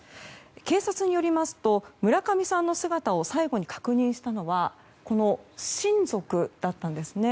警察によりますと村上さんの姿を最後に確認したのは親族だったんですね。